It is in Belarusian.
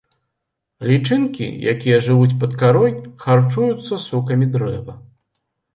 Лічынкі, якія жывуць пад карой, харчуюцца сокамі дрэва.